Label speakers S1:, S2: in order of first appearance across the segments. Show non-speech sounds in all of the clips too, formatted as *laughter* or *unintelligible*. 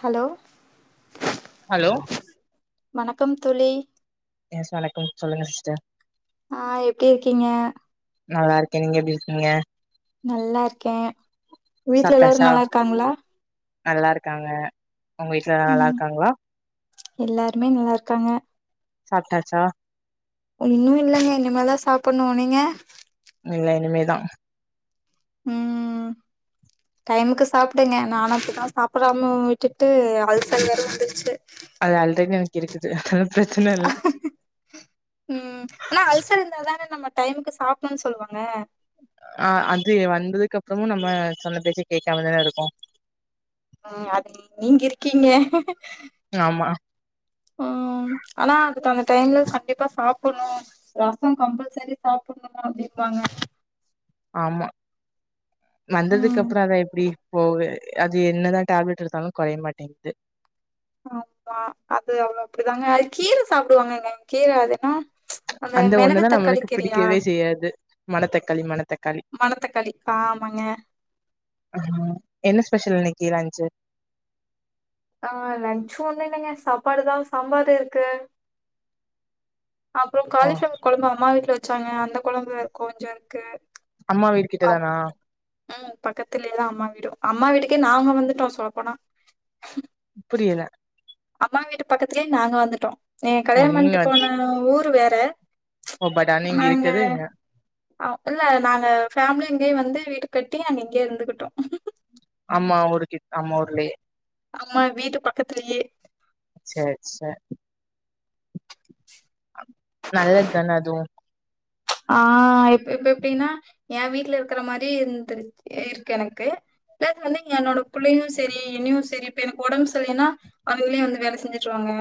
S1: Hello
S2: hello
S1: வணக்கம் தோழி
S2: yes வணக்க சொல்லுங்க சிஸ்டர்
S1: ஆ எப்டி இருக்கீங்க
S2: நல்லா இருக்கே நீங்க எப்டி இருக்கீங்க
S1: நல்லா இருக்கே வீட்ல எல்லாரு
S2: சாப்ட்டாச்சா
S1: நல்லா இருக்காங்களா
S2: நல்லா இருக்காங்க வொங்க வீட்ல எல்லா நல்லா
S1: ம்
S2: இருக்காங்களா
S1: எல்லாருமே நல்லா இருக்காங்க
S2: சாப்டாச்சா
S1: இன்னு இல்லங்க இனி மேலதா சாப்பணு நீங்க
S2: இல்ல இனிமேதா
S1: ம் டைமுக்கு சாப்பிடுங்க நானு அப்டிதா சாப்பிடாம விட்டுட்டு அல்சல் வேரும் வந்துச்சு
S2: அது அல் *unintelligible*
S1: ம் ஆனா அல்சர்ந்த தானே நம்ம டைமுக்கு சாப்பனு சொல்லுவாங்க
S2: அ அது வந்ததுக்கு அப்பறமு நம்ம சொன்ன பேச கேக்காமதானே இருக்கோ
S1: ம் அது நீ நீங்க இருக்கீங்க
S2: ஆமா
S1: ம் ஆனா அதுக்கான டைம்ல சட் கண்டிப்பா சாப்பட்ணு ரசோ கம்பல்சரி சாப்பட்ணுமா அப்டிம்பாங்க
S2: ஆமா வந்ததுக்கு
S1: ம்
S2: அப்றோ அதா எப்டி போகு அது என்னதா டேப்லெட் எடுத்தாலு கொறைய மாட்டேங்குது
S1: ஆமா அது அவ்ளோ அப்படிதாங்க அது கீர சாப்டுவாங்கங்க கீர அது என்னா
S2: அந்த ஒண்ணுதா நம்மளுக்கு பிடிக்கவே செய்யாது மணத்தக்காளி மணத்தக்காளி
S1: மணத்தக்காளி ஆமாங்க
S2: ஆ என்ன ஸ்பெஷல் இன்ன க்கி லன்ச்சு
S1: ஆ லன்ச்சு ஒண்ணு இல்லைங்க சாப்பாடுதா சாம்பார் இருக்கு அப்றம்
S2: ஓ
S1: காலிஃப்ளவர் கொழம்பு அம்மா வீட்ல வ ச்சாங்க அந்த கொழம்பு கொஞ்சோ இருக்கு
S2: அம்மா வீடு
S1: அப்-
S2: கிட்டதானா?
S1: ம் பக்கத்திலயேதா அம்மா வீடு அம்மா வீட்டுக்கே நாங்க வந்துட்டோ சொல்லப்போனா
S2: புரியல
S1: அம்மா வீட்டுக்கு பக்கத்துலயே நாங்க வந்துட்டோ என்ன
S2: ஓ
S1: கல்யாண பண்ட்டு
S2: நீங்க
S1: போன ஊரு வே ற
S2: ஓ பட் ஆனா நீங்க
S1: நாங்க
S2: இருக்கது இங்க
S1: ஆ இல்ல நாங்க ஃபேமிலி யே வந்து வீடு கட்டி நாங்க இங்கயே இருந்துக்கிட்டோ
S2: அம்மா ஊரு கிட் அம்மா ஊர்லயே
S1: அம்மா வீட்டு பக்கத்துலயே
S2: சேரி சேர் நல்லதுதான அதுவு
S1: ஆ இப் இப்ப எப்டின்னா ஏன் வீட்ல இருக்கற மாரி இருந்துருக் இருக்கு எனக்கு ப்ளஸ் வந்து என்னோட புள்ளையு செரி என்னையு செரி இப்ப எனக்கு ஒடம்பு செரியில்லனா அவுங்களே வந்து வேல செஞ்சு விட்ருவாங்க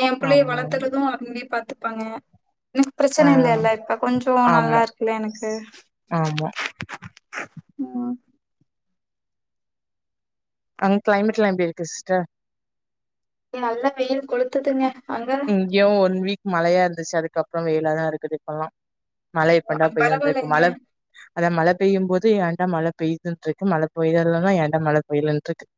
S1: ஏன் புள்ளைய
S2: ஆமா
S1: வளத்துறது அவுங்களே பாத்து ப்பாங்க எனக்கு
S2: ஆ
S1: ப்ரச்சன இல்ல இல்ல இப்ப கொஞ்சோ நல்லா
S2: ஆமா
S1: இருக்குல்ல எனக்கு
S2: ஆமா
S1: ஆ
S2: அங்க கிளைமேட்லா எப்டி இருக்கு சிஸ்டர்?
S1: நல்லா வெயில் கொளுத்துதுங்க. அங்க
S2: இங்கயு ஒன் வீக் மழையா இருந்துச்சு அதுக்க ப்றோ வெயிலாதா இருக்குது இப்பெல்லா மழ எப்பந்தா பெய்யுன்ருக்கு
S1: பரவாயில்லைங்க
S2: மழ அதா மழ பெய்யும் போது என் ஏன்டா மழ பெய்துன்ட்ருக்கு மழ பொய்தலன்னா ஏன்டா மழ பொய்லன்ட்ருக்கு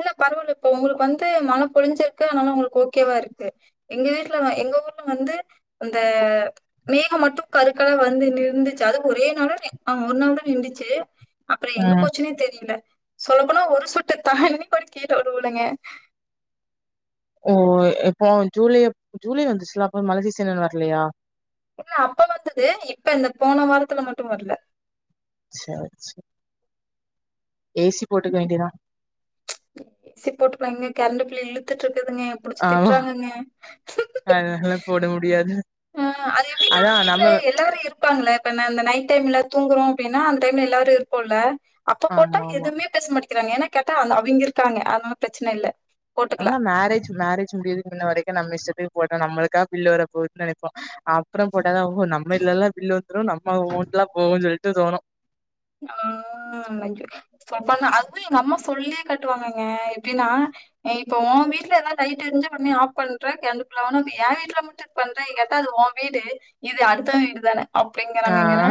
S1: இல்ல பரவால்ல இப்ப உங்களுக்கு வந்து மழ பொழுஞ்சுருக்கு அதனால உங்களுக்கு ஓகேவா இருக்கு எங்க வீட்ல வ ஊர்ல வந்து அந்த மேகம் மட்டு கருக்களா வந்து நின்டுச்சு அது ஒரே நாள்ல ஆ ஒரு நாள்தா நின்டுச்சு அப்புறோ எங்க
S2: ம்
S1: போச்சுனே தெரியில சொல்ல போனா ஒரு சொட் ட்ட தண்ணி கூட கீழ ஒழுவுலங்க
S2: ஓ இப்போ ஜூலைய ஜூலை வந்துச்சுல அப்போ மழ சீஸனு இன்னு வரல்லையா
S1: இல்ல அப்ப வந்தது இப்ப இந்த போன வாரத்துல மட்டு வர்ல
S2: சேர் சேர் ஏசி போட்டுக்க வேண்டிதா
S1: த்துட் இருப் திட்டுதுங்க புடுச்சு
S2: ஆமா
S1: திட்றாங்கங்க
S2: அதனால போட முடியாது
S1: ம் அது எப்டின்னா
S2: அதா
S1: வீட்ல
S2: நம்ம
S1: எல்லாரு இருப்பாங்கல இப்ப நான்னனா நைட் டைம்ல தூங்குறோ அப்டினா அந்த டைம்ல எல்லாரு இருப்போல்ல அப்ப போட்டா
S2: ஆமா ஆமா
S1: எதுமே பேச மாட்டி கிறாங்க ஏனா கேட்டா அந்த அவிங்க இருக்காங்க அதனால பிரச்சன இல்ல
S2: அதா
S1: போட்டுக்கலாம்.
S2: மேரேஜ் மேரேஜ் முடியுது இன்ன வரைக் குன் இஷ்டத்துகு போட்டா நம்மளுக்கா பில்லு வர போகுதுன் நெனைப்போ அப்புறம் போட் தகவு நம்ம இதுலல்ல பில்லு வந்துரு நம்ம அமோண்ட்லா போகு சொல்லிட் ட்டு தோணு
S1: ஆமா மஞ்சு சொப்பனா அதுவு எங் அம்மாஸ் புல்லே கட்டுவாங்கங்க எப்டினா எ இப்ப உம் வீட்ல எதனா லைட் எருஞ்சா ஒடனே ஆஃப் பண்ற *unintelligible* எ வீட்ல மட்டு இது பண்றன் கேட்டா அது உம் வீடு இது அடுத்தவ வீடுதான
S2: ஆ
S1: அப்டிங்கறாங்கங்கிற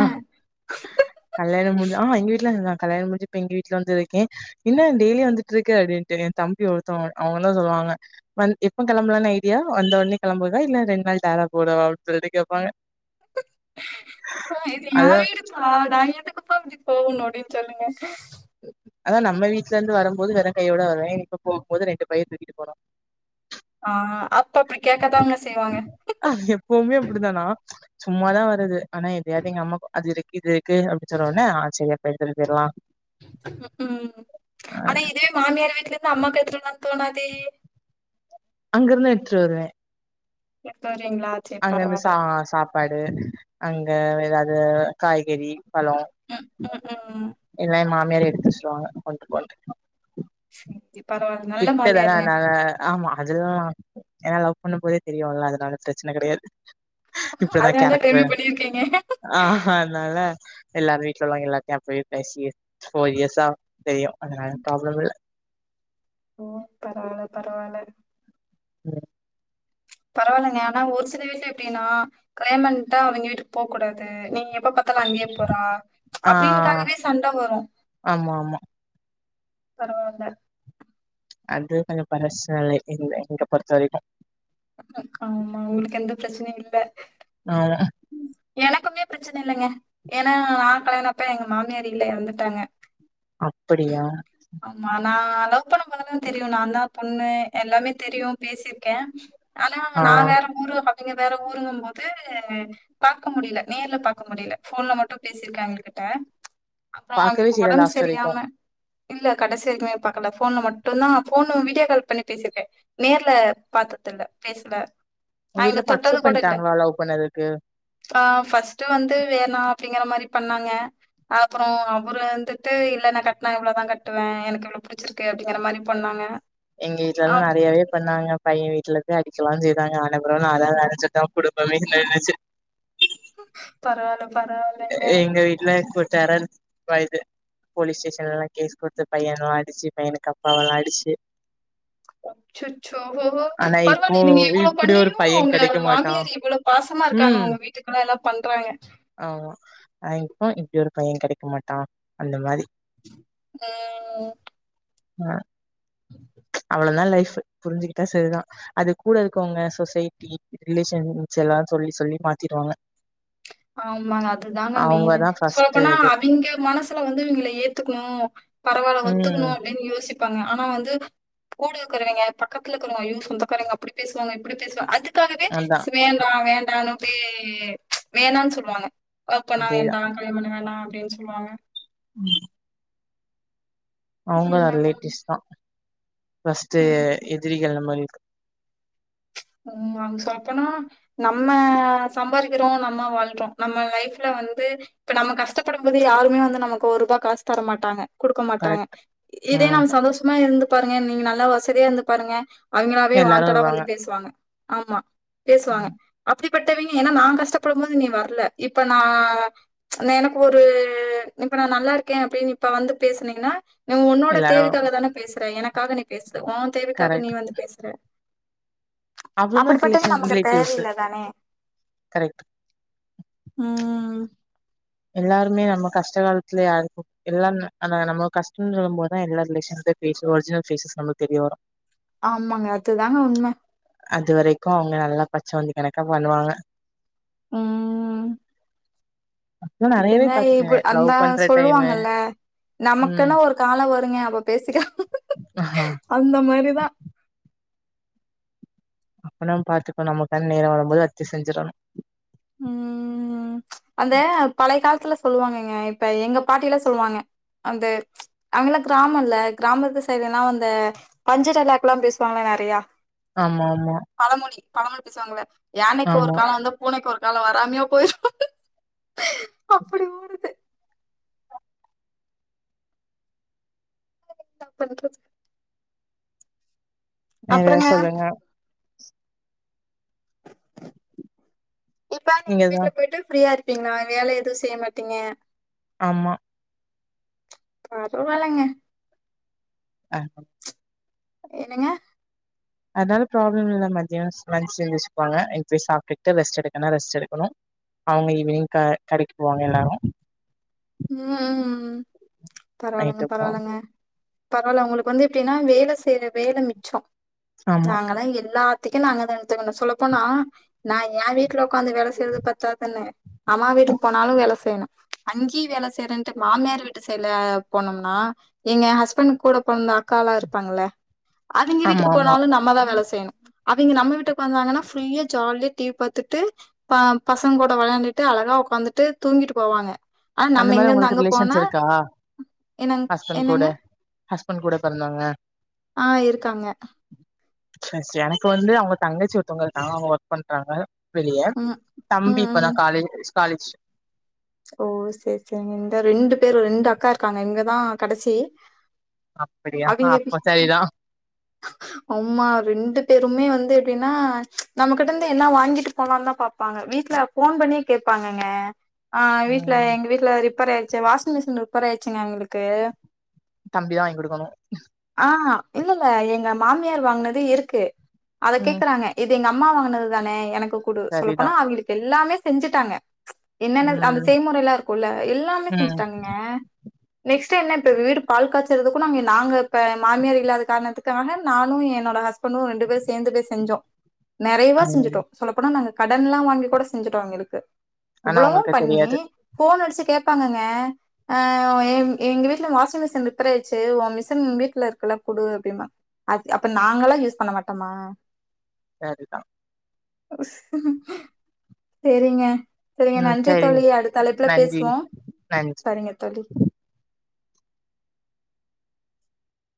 S2: சா எங்க வீட் இல்ல நா கல்யாணம் முடுஞ்சு இப்ப எங்க வீட்ல வந்து இருக்கே இன்ன டெய்லி வந்துட்ருக்க அப்டின்டு என் தம்பி ஒருதவங்க அவங்கந்தா சொல்லுவாங்க வந்து எப்ப கெளம்புலான் ஐடியா வந்த ஒடனே கெளம்புவதா இல்ல ரெண் நாள் டேரா போடவா அப்டின் சொல்லிட்டு கேப்பாங்க
S1: அப்பா இது ஏ
S2: அதா
S1: வீடுப்பா நா எதுக்குப்பா இப்டி ஓ நொடின் சொல்லுங்க
S2: அதா நம்ம வீட்ல இருந்து வரம்போது வெறுங் கையோட வருவே இப்ப போகும் போது ரெண்டு பைய தூக்கிட்டு போறோ
S1: ஆ அப் இப்போ அப்டி கேக்கத்தாங்க செய்வாங்க
S2: சும்மாதா வருது ஆனா எதயாவது எங்க அம்மா அது இது இது இருக்கு அப்டி சொன்னோனே ஆ சரி அப்ப எடுத்துட்டு போயிரலாம்
S1: உ ம் ஆனா இதுவே மாமியார் வீட்ல யிந்து அம்மாக்கு எத்தோ தோனா தெரியு
S2: அங்கிருந்து த எடுத்துட்டு வருவே
S1: எப்பர்
S2: அங்கந்து ச சாப்பாடு அங்க ஏதாது இது காய்கறி பழ
S1: ம் ம் ம்
S2: இல்லே மால் வேற எடுத்து ஸ்டா வந்து வந்து
S1: செரி
S2: கிட்டதானே ந ஆமா அதுன ஏனா லவ் ஒண்ணு போதே தெரியுலா அதனால பிரச்சன கெடையாது இப்பதா
S1: அதனாலதான் கல்வி
S2: கேரக்டர்
S1: பண்ணியிருக்கீங்க
S2: ஆ அதனால எல்லாரு வீட்டுலுலங்கவ எல்லாத்தையு போயி பேசி ஃபோர் இயர்சா தெரியு அதனால பிராப்ள யில்ல
S1: ஓ பரவால பரவால
S2: ம்
S1: பரவாலங்க ஆனா ஒரு சில வீட்ல எப்டினா கல்யா பண்டா அவங்க வீட்டுகு போ கூடாது நீங்கப் எப்ப பாத்தாலு அங்கேயே போறா
S2: ஆ
S1: அப்பிடினூக்காகவே சண்ட வரு
S2: ஆமா ஆமா
S1: பரவால்ல
S2: அது கொஞ்ச பழசாயில்ல எங்க பொறுத்த வரைக்கு
S1: ஆமா கா உங்களுக்கு எந்த பிரச்சனையு இல்ல
S2: ஆமா
S1: எனக்குமே பிரச்சன இல்லங்க ஏனா நா கலையனப்ப எங்க மாமியார் இல்ல எறந்துட்டாங்க
S2: அப்படியா
S1: ஆமா நா லவ் பண்ண போதுனா தெரியு நா தா பொண்ணு எல்லாமே தெரியு பேசிக் கே ஆனா
S2: ஆ
S1: நா வேற ஊரு பாத்தி வேற ஊருங்கு போது பாக்க முடில நேர்ல பாக்க முடில போன்ல மட்டு பேசிருக்கா அவுங்க கிட்ட அப்பறோ
S2: பாக்கவே
S1: அவுங்களுக்கு
S2: செய்ல
S1: வொடம்பு
S2: லாஸ்ட் வரைக்கு
S1: சரியாம இல்ல கடைசி வரைக்குமே பாக்கல போன்ல மட்டு தா போனு வீடியோ கால் பண்ணி பேசிருக்கே நேர்ல பாத்ததுல பேசல
S2: உங்க
S1: அவங்கள
S2: வீட்ல
S1: தொட்டது
S2: பக்ட்ஸப்
S1: கூட இல்ல.
S2: பண்ணிட்டாங்களா லவ் பண்ணதுக்கு
S1: ஆ ஃபர்ஸ்ட் வந்து வேணா அப்டிங்கற மாரி பண்ணாங்க அப்பறம் அவரு வந்துட்டு இல்ல னா கட்டினா இவ்ளதா கட் வே எனக்கு இவன புடிச்சிருக்கு அப்டிங்க மாரி பண்ணாங்க
S2: எங்க வீட்டுல எல்லா நறையாவே பண்ணாங்க பையன் வீட்டுலய அடிக்கலா செய்தாங்க அனுப்புறோ நா தா வேல ச்சட்டே குடுப்ப வீல ச்சு
S1: பரவால்ல பரவால்லங்க.
S2: எங்க வீட்ல *unintelligible* டெரர் வயது போலீஸ் ஸ்டேஷன்லலா கேஸ் குடுத்து பையனு அடிச்சு பையனுக்கு அப்பாவளா அடிச்சு
S1: அச்சச் சோ
S2: ஆனா இப்போ
S1: பரவாயில்லை நீங்க இவ்வள
S2: இப்டி ஒரு
S1: பண்ணியு
S2: பைய
S1: உங்க
S2: கெடைக்க மாட்டா
S1: மாமியாரு இவ்வளோ பாசமா இருக்காங்க
S2: ம்
S1: உங்க வீட்டு கெல்லா எல்லா பண்றாங்க
S2: ஆமா *unintelligible* இப்ப இப்டி ஒரு பையே கடைக்க மாட்டா அந்த மாரி
S1: உ
S2: ஆ ளோதா லைஃப் புரிஞ்சுகிட்டா சரிதா அது கூட இருக்கவங்க சொசைட்டி ரிலேஷன்ஸ் எல்லா சொல்லி சொல்லி மாத்திடுவாங்க
S1: ஆமாங்க அதுதாங்க மெயின்
S2: அவங்கதா
S1: சொல்ல
S2: ஃபர்ஸ்ட்
S1: போனா
S2: இது
S1: அவிங்க மனசுல வந்து இவிங்கள ஏத்துக்கணு பரவால்ல ஒத்துக்கணு
S2: ம்
S1: அப்டின்னு யோசிப் பாங்க ஆனா வந்து கூடயிருக்கவங்ய பக்கத்த இருக்கவங்ய ஐயோ சொந்தக்காரங்க அப்டி பேசுவாங்க இப்டி பேசுவாங்க அது தாலுமே
S2: அதா
S1: ச வேணா வேண்டானு ஏ ச் வேனானு சொல்வாங்க லவ் பண்ணா
S2: அதேதா
S1: வேண்டா கல்யானோ பண்ண வேணா அப்டின்னு சொல்லுவாங்க
S2: அவங்க
S1: என்னமோ
S2: ரிலேட்டிவ்ஸ் தா ஃபஸ்ட்
S1: ம்.
S2: எதிரிகள் நம்ம *unintelligible*
S1: ம் அவங்க சொல்லபோனா நம்ம சம்பாதிக்கிறோ நம்ம வாழ்றோ நம்ம லைஃப்ல வந்து இப்ப நம்ம கஷ்டப்படும்போது யாருமே வந்து நமக்கு ஒரு ரூபா காசு தரமாட்டாங்க குடுக்க மாட்டாங்க
S2: கரெக்ட்
S1: இதே
S2: ம்
S1: நம சந்தோஷமா இருந்து பாருங்க நீங்க நல்லா வசதியா இருந்துப் பாருங்க அவங்களாவே
S2: எல்லாரு
S1: வான்டடா
S2: வருவாங்க
S1: வந்து பேசுவாங்க ஆமா பேசுவாக
S2: ம்
S1: அப்டி கஷ்டப்பட்டவங்க ஏன்னா நா கஷ்டப்படும் போது நீ வரல இப்ப நா எனக்கு ஒரு இப்ப நாநல்லா இருக்கே அப்டின்னு இப்ப வந்து பேசனிங்கன்னா நீ உன்னோட
S2: எல்லாரு
S1: தேவைக்காக தானே பேசுற எனக் உனக்காக நீ பேசு ஓ தேவைக்காக நீ
S2: கரெக்ட்
S1: வந்து பேசுற
S2: அவ்ளோதா
S1: அப்டிப்பட்டது
S2: ரிலேஷன்
S1: நமக்கு தேவ
S2: ரிலேட்டிவ்ஸ்
S1: இல்லதானே
S2: கரெக்ட்
S1: ம்
S2: எல்லாருமே நம்ம கஷ்ட காலத்துல யாருக் எல்லா ந நம்ம கஷ்ட சொல்லு போதுதா எல்லா ரிலேஷன் ஒரிஜினல் ஃபேசஸ் நமக்கு தெரிய வரு
S1: ஆமங்க அதுதாங்க உண்ம
S2: அது வரைக்கு அவுங்க நல்லா பச்சோந்தி கணக்கா பண்ணுவாங்க
S1: ம்
S2: நா நெறையவே
S1: விட்டுங்க
S2: பாத்துட்டேன்
S1: இப்ப
S2: லவ்
S1: அதா
S2: பண்ற டைமு
S1: சொல்லுவாங்கல்ல
S2: ம்
S1: நமக்குன்னு ஒரு கால வரு விடுங்க அப்போ பேசிக்கலா
S2: ஆஹா
S1: அந்த மாரிதா
S2: அப்பன பாத்துக்கோ நமக்கான நேர வரும்போது அத்தி செஞ்சிரணு
S1: ம் அந்த பழைய காலத்துல சொல்லுவாங்கங்க இப்ப எங்க பாட்டி எல்லா சொல்லுவாங்க அந்த அங்கல்லா கிராம இல்ல கிராமத்து சைடு எல்லா அந்த பஞ்சு டயலாக்க எல்லா பேசுவாங்கள நெறையா
S2: ஆமா ஆமா
S1: பழமொழி பழமொழி பேசுவாங்கள யானைக்கு ஒரு
S2: ஆமா
S1: கால வந்தா பூனைக்கு ஒரு நாக வராமயா போயிருவோ அப்டி ஊறுது என்னா பண்றது
S2: வேற
S1: அப்புறங்க
S2: சொல்லுங்க
S1: இப்ப நீங்க
S2: நீங்கதா
S1: வீட்ல போயிட்டு ஃப்ரீயா இரு அப்டிங்களா வேல எதும் செய்ய மாட்டீங்க
S2: ஆமா
S1: பரவாலங்க
S2: அ
S1: என்னங்க
S2: அதனால ப்ராப்ள இல்ல மத்தியாம் சமாச்சுவச்சுட்டு இங்க போய் சாப்பிட்டுட்டு ரெஸ்ட் எடுக்கனா ரெஸ்ட் எடுக்கணு அவுங்க ஈவினிங் கடைக்கு போவாங்க எல்லாரு
S1: ம் ம் ம் பரவால்லங்க
S2: நைட்டு போ
S1: பரவால்லங்க பரவால்ல உங்களுக்கு வந்து எப்டின்னா வேல செய்ற வேல மிச்சோ
S2: ஆமா
S1: நாங்கலா எல்லாத் ப்பதிக்கு நாங்க தங் த்த இங்க சொல்ல போனா நா எ வீட்ல வொக்காந்து வேல செய்யறது பத்தா தன்னே அம்மா வீட்டுக்கு போனாலு வேல செய்யணு அங்கிப் வேல செய்றன்ட்டு மாமியார் வீட்டு சைடல போனோம்னா எங்க ஹஸ்பண்ட் கூட போறத அக்காலா இருப்பாங்கள அவிங்க
S2: ஆமா
S1: வீட்டுக்கு
S2: ஆமா
S1: போனாலு நம்மதா வேல செய்யணு அவிங்க நம்ம வீட்டு உ வந்தாங்கன்னா ஃபுல்லா ஜாலியா டிவி பாத்துட்டு ப பசங்க கூட வெளாண்டுட்டு அழகா வொக்காந்துட்டு தூங்கிட்டு போவாங்க ஆ
S2: அந்த
S1: நம்ம இங்க
S2: மாரி
S1: இருந்து
S2: உங்களுக்கு
S1: அங்க
S2: ரிலேஷன்ஸ்
S1: போனா
S2: இருக்கா
S1: என்னங்
S2: ஹஸ்பண்ட் கூட
S1: என்னங்க
S2: ஹஸ்பண்ட் கூட பிறந்தவங்க
S1: ஆ இருக்காங்க
S2: ஃபர்ஸ்ட் எனக்கு வந்து அவுங்க தங்கச்சி ஒருத்தவங்க இருக்காங்க அவுங்க ஒர்க் பண்றாங்க வெளிய
S1: ம்
S2: தம்பி
S1: ம்
S2: இப்ப நா
S1: ம்
S2: காலேஜ் முச்சி காலேஜ்
S1: ஓ சேரி சேரிங்க இந்த ரெண்டு பேரு ரெண்டு அக்கா க்காங்க இங்கதா கடசி
S2: அப்பிடியா அப்ப சரிதா
S1: ஆமா ரெண்டு பேருமே வந்து எப்பிடின்னா நம்ம கிட்ட இந்து என்னா வாங்கிட்டு போலான்ட்தா பாப்பாங்க வீட்ல ஃபோன் பண்ணியே கேப்பாங்கங்க ஆ வீட்ல
S2: ம்
S1: எங்க வீட்ல ரி ப்பரே ஆயிடுச்சி வாஷிங் மிஷின் ரிப்பேர் ஆயிடிச்சிங்க எங்களுக்கு
S2: தம்பிதா வாங்கி குடுக்கணு
S1: ஆ இல்லல்ல எங்க மாமியார் வாங்கனது இருக்கு அத
S2: ம்
S1: கேக்குறாங்க எ து எங்க அம்மா வாங்கனது தானே எனக் க்கு கூடு சொல்ல
S2: சரிதா
S1: போனா அவிங்களுக்கு எல்லாமே செஞ்சிட்டாங்க என்னென்ன அந்த
S2: ம்
S1: செய்முறைல்லா இருக்கும்ல்ல எல்லாமே
S2: ம்
S1: செஞ்சிட்டாங்கங்க நெக்ஸ்ட் டைம்ன்ன இப்ப வீடு பால் காய்சறதுக்கு நாங்க எ நாங்க இப்ப மாமியார் இல்லாத காரணத்துக்காக நானு என்னோட ஹஸ்பண்டு ரெண்டு பேரும் சேந்து போய் செஞ்சோ நெறையவா
S2: ம்
S1: செஞ்சிட்டோ சொல்லப்போனா நாங்க கடன்ல்லா வாங்கி கூட செஞ்சிட்டோ அவிங்களுக்கு
S2: ஆனா உங்களுக்
S1: நீ ஃபோன் அடிச்சி ச்சி கோப்பாங்கங்க அ எ எங்க வீட்ல வாஷிங் மிஷின் ரிப்பேர் ஆயிடுச்சி உ மிஷின் வீட்ல இருக்குல்ல குடு அப்பிடின்னாங்க அப்ப நாங்களா யூஸ் பண்ண மாட்டோமா
S2: சரிதா
S1: தெரிங்க சரிங்க
S2: ம்
S1: நன்றி த்
S2: சரி
S1: தோழி அடுத்த அழைப்புல
S2: நன்றி
S1: பேசுவோ
S2: நன்றி
S1: சரிங்க தோழி